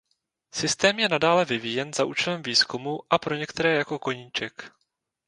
Systém je nadále vyvíjen za účelem výzkumu a pro některé jako koníček.